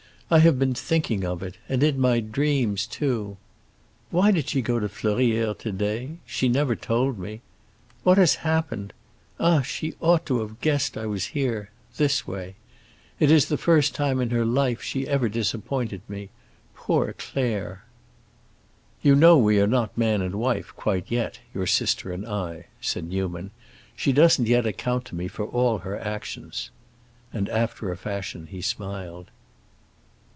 I have been thinking of it—and in my dreams, too. Why did she go to Fleurières to day? She never told me. What has happened? Ah, she ought to have guessed I was here—this way. It is the first time in her life she ever disappointed me. Poor Claire!" "You know we are not man and wife quite yet,—your sister and I," said Newman. "She doesn't yet account to me for all her actions." And, after a fashion, he smiled.